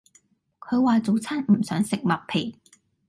佢話早餐唔想食麥皮